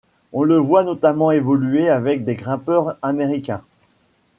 On le voit notamment évoluer avec des grimpeurs américains.